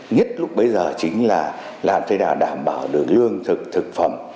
nhất lúc bây giờ chính là làm thế nào đảm bảo được lương thực thực phẩm